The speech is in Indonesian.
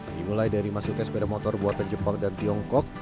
dimulai dari masuknya sepeda motor buatan jepang dan tiongkok